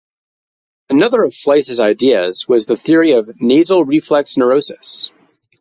Another of Fliess's ideas was the theory of 'nasal reflex neurosis'.